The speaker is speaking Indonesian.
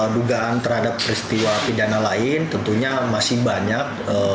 dugaan terhadap peristiwa pidana lain tentunya masih banyak